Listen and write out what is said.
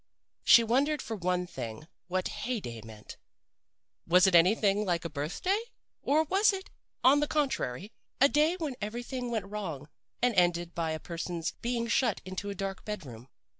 She wondered for one thing what 'hey day' meant. Was it anything like a birth day? Or was it, on the contrary, a day when everything went wrong and ended by a person's being shut into a dark bed room?